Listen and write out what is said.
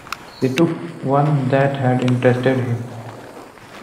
She took one that had interested him.